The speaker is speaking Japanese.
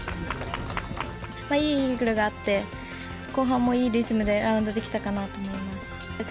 いいイーグルがあって、後半もいいリズムでラウンドできたかなと思います。